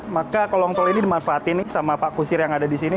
maka kolong tol ini dimanfaatin nih sama pak kusir yang ada di sini